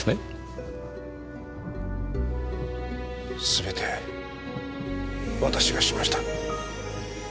全て私がしました。